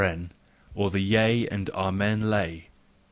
(OR THE YEA AND AMEN LAY.)